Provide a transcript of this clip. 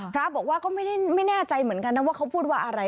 พระบอกว่าก็ไม่แน่ใจเหมือนกันนะว่าเขาพูดว่าอะไร